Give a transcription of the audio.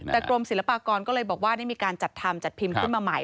แต่กรมศิลปากรก็เลยบอกว่าได้มีการจัดทำจัดพิมพ์ขึ้นมาใหม่